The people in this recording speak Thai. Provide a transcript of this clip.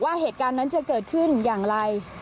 เหตุการณ์นั้นจะเกิดขึ้นอย่างไร